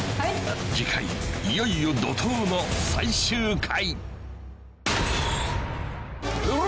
［次回いよいよ怒濤の最終回］